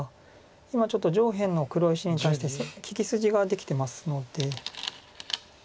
今ちょっと上辺の黒石に対して利き筋ができてますので。